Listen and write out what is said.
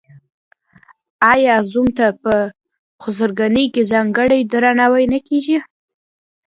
آیا زوم ته په خسرګنۍ کې ځانګړی درناوی نه کیږي؟